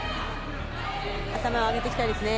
頭を上げていきたいですね。